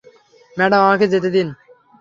Madam, আমাকে যেতে দিন।